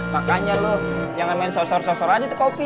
makanya loh jangan main sosor sosor aja tuh kopi